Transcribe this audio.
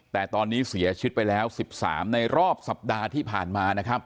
แต่ตอนนี้เสียชีวิตไปแล้ว๑๓ในรอบสัปดาห์ที่ผ่านมานะครับ